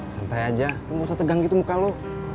santai aja lu gak usah tegang gitu muka lu